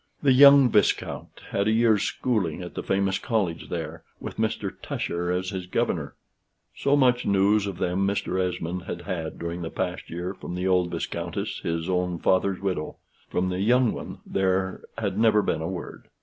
The young Viscount had a year's schooling at the famous college there, with Mr. Tusher as his governor. So much news of them Mr. Esmond had had during the past year from the old Viscountess, his own father's widow; from the young one there had never been a word.